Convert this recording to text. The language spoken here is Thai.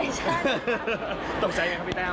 ไม่ถามเต้าสิมีหวังกับเขาหรือเปล่าอืม